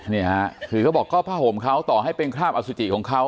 นี่ฮะคือเขาบอกก็ผ้าห่มเขาต่อให้เป็นคราบอสุจิของเขา